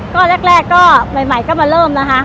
ก็แรกก็ใหม่ก็มาเริ่มนะคะ